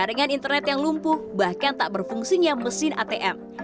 jaringan internet yang lumpuh bahkan tak berfungsinya mesin atm